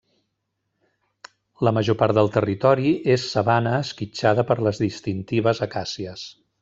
La major part del territori és sabana esquitxada per les distintives acàcies.